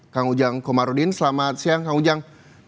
kang ujang komarudin selamat siang